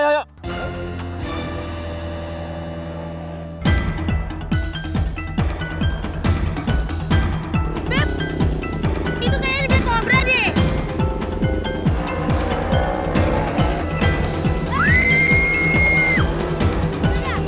itu kan yang di belakang berade